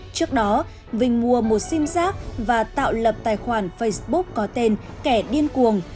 trước đó vinh mua một sim giác và tạo lập tài khoản facebook có tên kẻ điên cuồng